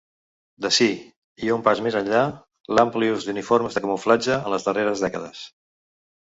D'ací, i un pas més enllà, l'ampli ús d'uniformes de camuflatge en les darreres dècades.